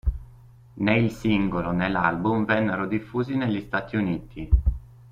Né il singolo né l'album vennero diffusi negli Stati Uniti.